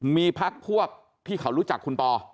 มีพักพวกที่เขารู้จักคุณปอ